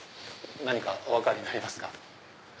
何かお分かりになりますか？